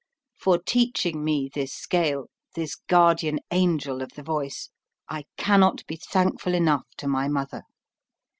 For teaching me this scale this guardian angel of the voice I cannot be thankful enough to my mother.